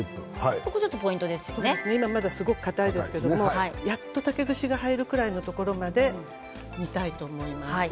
ここ今ちょっとかたいですけど、やっと竹串が入るぐらいのところまで煮たいと思います。